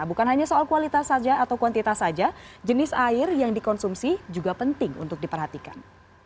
bukan hanya soal kualitas saja atau kuantitas saja jenis air yang dikonsumsi juga penting untuk diperhatikan